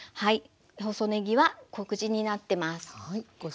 細ねぎは小口になってます。